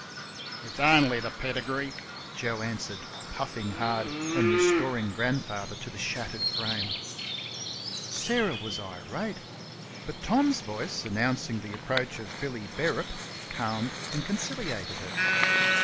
"It's only th' pedigree," Joe answered, puffing hard, and restoring grandfather to the shattered frame. Sarah was irate. But Tom's voice announcing the approach of Billy Bearup calmed and conciliated her.